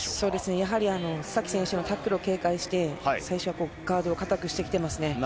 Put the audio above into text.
やはり須崎選手のタックルを警戒して最初はガードを固くしてきていますね。